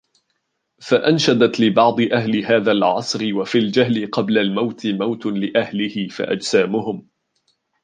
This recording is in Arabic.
فَأَنْشَدْت لِبَعْضِ أَهْلِ هَذَا الْعَصْرِ وَفِي الْجَهْلِ قَبْلَ الْمَوْتِ مَوْتٌ لِأَهْلِهِ فَأَجْسَامُهُمْ